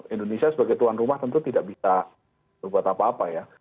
indonesia sebagai tuan rumah tentu tidak bisa berbuat apa apa ya